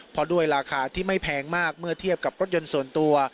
เพราะด้วยราคาที่ไม่แพงมากเมื่อเทียบกับรถยนต์ส่วนตัว